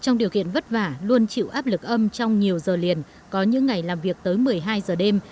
trong điều kiện vất vả luôn chịu áp lực âm trong nhiều giờ liền có những ngày làm việc tới một mươi hai giờ đêm